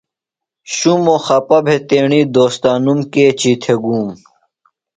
شُمو خپہ بھےۡ تیݨی دوستانوم کیچیۡ تھےۡ گوم۔